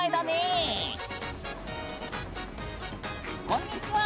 こんにちは！